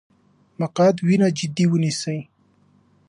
مقعد وینه جدي ونیسئ.